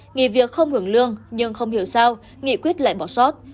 nghỉ việc không hưởng lương nhưng không hiểu sao nghị quyết lại bỏ sót